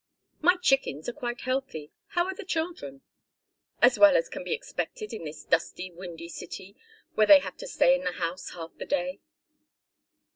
"My chickens are quite healthy. How are the children?" "As well as can be expected in this dusty windy city where they have to stay in the house half the day."